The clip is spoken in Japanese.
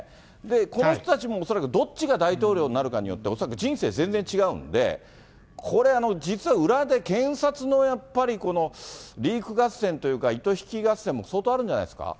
この人たちも恐らくどっちが大統領になるかによって、恐らく人生、全然違うんで、これ、実は裏で検察のやっぱりこのリーク合戦というか、糸引き合戦も相当あるんじゃないですか。